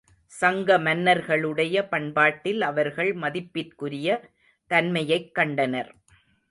சங்க மன்னர்களுடைய பண்பாட்டில் அவர்கள் மதிப்பிற்குரிய தன்மையைக் கண்டனர்.